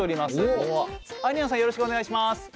よろしくお願いします。